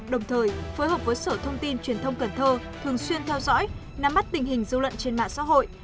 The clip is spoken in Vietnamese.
đồng thời phối hợp với sở thông tin truyền thông cần thơ thường xuyên theo dõi nắm mắt tình hình dư luận trên mạng xã hội